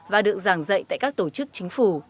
và được giảng dạy tại các tổ chức chính phủ